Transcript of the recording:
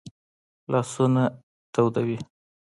لاسونه تودې وي